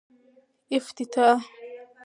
افتتاح